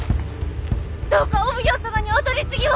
どうかお奉行様にお取り次ぎを！